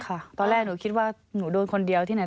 ตอนแรกหนูคิดว่าหนูโดนคนเดียวที่ไหน